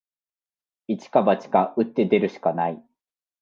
一か八か、打って出るしかない